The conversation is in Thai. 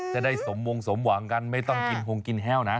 จะได้สมมงสมหวังกันไม่ต้องกินหงกินแห้วนะ